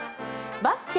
バスケ